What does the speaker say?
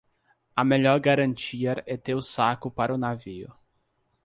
A melhor garantia é ter o saco para o navio.